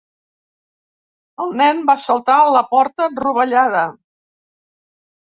El nen va saltar la porta rovellada.